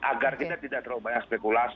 agar kita tidak terlalu banyak spekulasi